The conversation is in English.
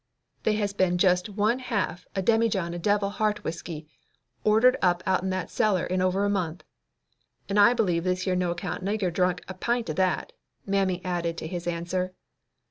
"They has been jest one half a demijohn of devil heart whisky ordered up outen that cellar in over a month, and I b'lieve this here no account nigger drunk a pint of that," Mammy added to his answer.